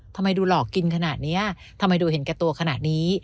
ทำไมดูหลอกกินขนาดนี้ทำไมดูเห็นแก่ตัวขนาดนี้